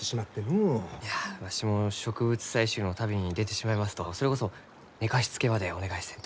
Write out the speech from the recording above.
いやわしも植物採集の旅に出てしまいますとそれこそ寝かしつけまでお願いせんと。